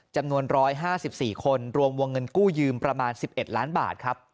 จำนวน๑๕๔คนรวมวงเงินกู้ยืมประมาณ๑๑ล้านบาทครับ